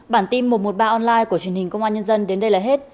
bản tin một trăm một mươi ba online của truyền hình công an nhân dân đến đây là hết